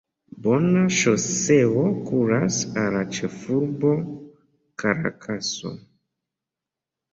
Bona ŝoseo kuras al la ĉefurbo Karakaso.